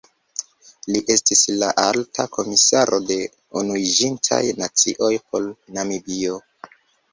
Li estis la Alta Komisaro de Unuiĝintaj Nacioj por Namibio.